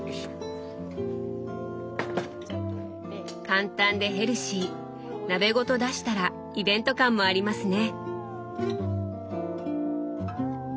簡単でヘルシー鍋ごと出したらイベント感もありますね！